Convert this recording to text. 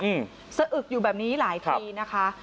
อืมสะอึกอยู่แบบนี้หลายทีนะคะ